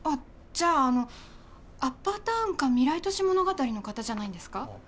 じゃああのアッパータウンか未来都市物語の方じゃないんですか？